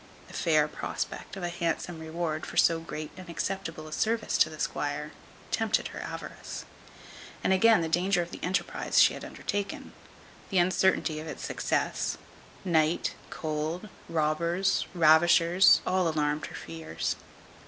The fair prospect of a handsome reward for so great and acceptable a service to the squire, tempted her avarice; and again, the danger of the enterprize she had undertaken; the uncertainty of its success; night, cold, robbers, ravishers, all alarmed her fears.